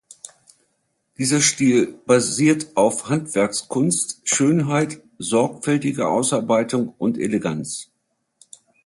Dieser Stil basiert auf Handwerkskunst, Schönheit, sorgfältiger Ausarbeitung und Eleganz.